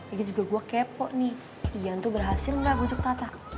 ini juga gue kepo nih iyan tuh berhasil gak ngujuk tata